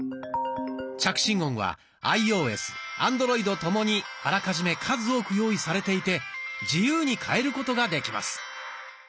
着信音はアイオーエスアンドロイドともにあらかじめ数多く用意されていて自由に変えることができます。